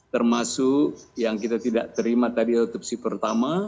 termasuk yang kita tidak terima tadi otopsi pertama